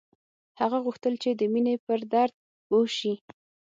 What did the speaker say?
هغه غوښتل چې د مینې پر درد پوه شي